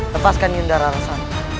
lepaskan yundara rasa